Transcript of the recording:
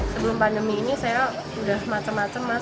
sebelum pandemi ini saya udah macam macam mas